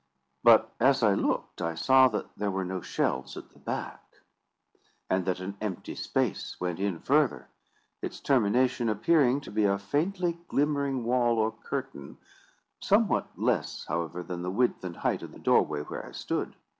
But, as I looked, I saw that there were no shelves at the back, and that an empty space went in further; its termination appearing to be a faintly glimmering wall or curtain, somewhat less, however, than the width and height of the doorway where I stood.